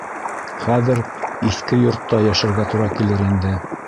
Хәҙер иҫке йортта йәшәргә тура килер инде.